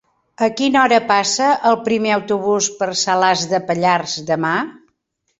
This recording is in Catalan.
A quina hora passa el primer autobús per Salàs de Pallars demà?